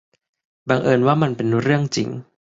บังเอิญว่ามันเป็นเรื่องจริง